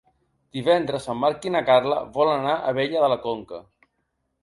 Divendres en Marc i na Carla volen anar a Abella de la Conca.